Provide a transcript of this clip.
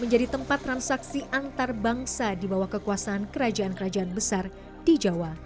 menjadi tempat transaksi antarbangsa di bawah kekuasaan kerajaan kerajaan besar di jawa